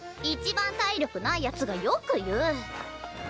一番体力ないやつがよく言う！